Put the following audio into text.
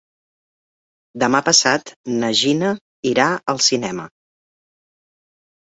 Demà passat na Gina irà al cinema.